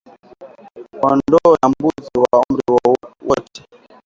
Kondoo na mbuzi wa umri wote